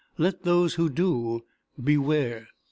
Let those who do beware!"